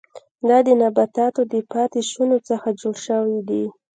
دا د نباتاتو د پاتې شونو څخه جوړ شوي دي.